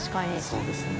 そうですね。